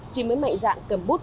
chỉ mới mạnh dạng cầm bút